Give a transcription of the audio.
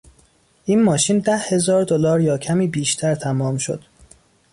این ماشین ده هزار دلار یا کمی بیشتر تمام شد.